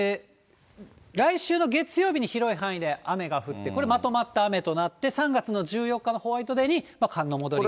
来週の月曜日に広い範囲で雨が降って、これまとまった雨となって、３月の１４日のホワイトデーに、寒の戻りが。